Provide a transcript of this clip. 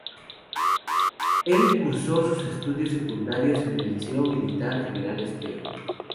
Él cursó sus estudios secundarios en el Liceo Militar General Espejo.